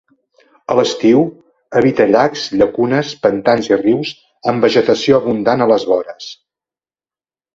A l'estiu, habita llacs, llacunes, pantans i rius, amb vegetació abundant a les vores.